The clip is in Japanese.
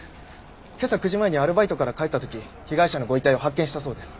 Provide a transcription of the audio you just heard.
今朝９時前にアルバイトから帰った時被害者のご遺体を発見したそうです。